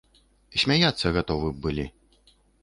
Смяяцца гатовы б былі.